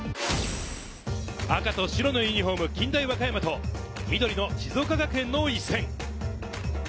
赤と白のユニホーム、近大和歌山と緑の静岡学園の一戦。